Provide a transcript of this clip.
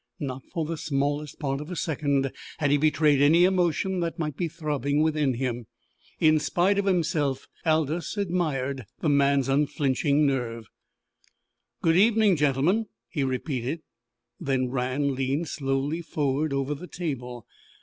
Not for the smallest part of a second had he betrayed any emotion that might be throbbing within him. In spite of himself Aldous admired the man's unflinching nerve. "Good evening, gentlemen!" he repeated. Then Rann leaned slowly forward over the table.